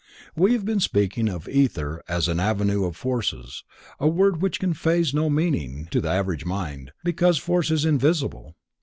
We have been speaking of ether as an avenue of forces, a word which conveys no meaning to the average mind, because force is invisible.